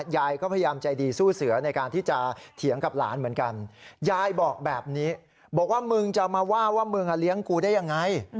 ยายก็พยายามใจดีสู้เสือในการที่จะเถียงกับหลานเหมือนกันยายบอกแบบนี้บอกว่ามึงจะมาว่าว่ามึงเลี้ยงกูได้ยังไง